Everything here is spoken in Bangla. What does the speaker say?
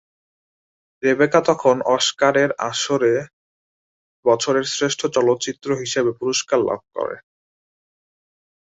রেবেকা তখন অস্কারের আসরে বছরের শ্রেষ্ঠ চলচ্চিত্র হিসেবে পুরস্কার লাভ করে।